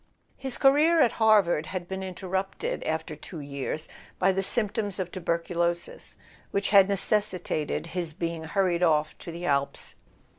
His career at Harvard had been interrupted, after two years, by the symptoms of tuberculosis which had necessitated his being hurried off to the Engadine.